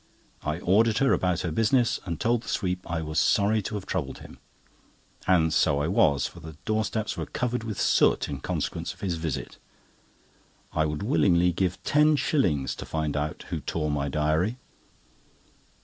I ordered her about her business, and told the sweep I was sorry to have troubled him; and so I was, for the door steps were covered with soot in consequence of his visit. I would willingly give ten shillings to find out who tore my diary.